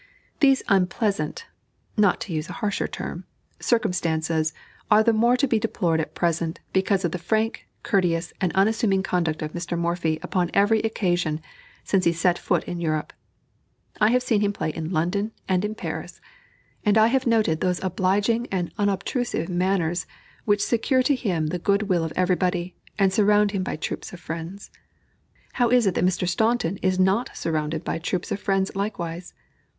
These unpleasant (not to use a harsher term) circumstances are the more to be deplored at present because of the frank, courteous, and unassuming conduct of Mr. Morphy upon every occasion since he set foot in Europe. I have seen him play in London and in Paris; and I have noted those obliging and unobtrusive manners which secure to him the good will of everybody, and surround him by troops of friends. How is it that Mr. Staunton is not surrounded by troops of friends likewise?